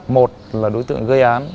một là đối tượng gây án